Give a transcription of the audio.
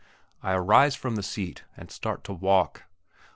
I arise from the seat, and start to walk.